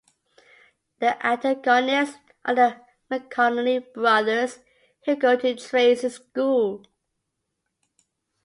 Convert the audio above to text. The antagonists are the McConnolly brothers, who go to Tracey's school.